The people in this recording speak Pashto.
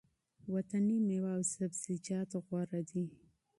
وطني مېوه او سبزیجات غوره دي.